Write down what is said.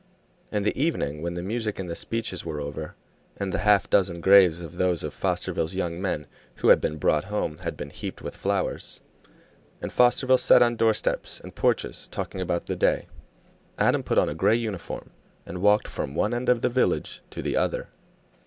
In the evening, when the music and the speeches were over and the half dozen graves of those of Fosterville's young men who had been brought home had been heaped with flowers, and Fosterville sat on doorsteps and porches talking about the day, Adam put on a gray uniform and walked from one end of the village to the other.